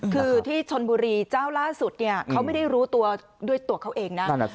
คือที่ชนบุรีเจ้าล่าสุดเขาไม่ได้รู้ตัวด้วยตัวเขาเองนะ